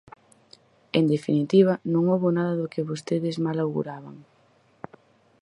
En definitiva, non houbo nada do que vostedes mal auguraban.